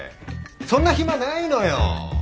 そんな暇ないのよ。